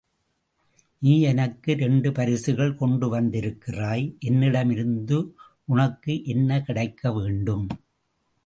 நீ எனக்கு இரண்டு பரிசுகள் கொண்டு வந்திருக்கிறாய், என்னிடமிருந்து உனக்கு என்ன கிடைக்கவேண்டும்.